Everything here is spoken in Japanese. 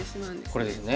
これですね。